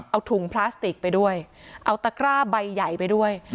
เอาถุงพลาสติกไปด้วยเอาตะกร้าใบใหญ่ไปด้วย